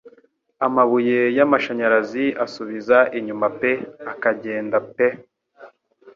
Amabuye yamashanyarazi asubiza inyuma pe akagenda pe